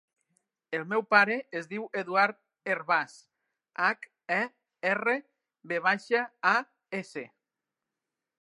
El meu pare es diu Eduard Hervas: hac, e, erra, ve baixa, a, essa.